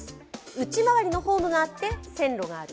内回りのホームがあって線路がある。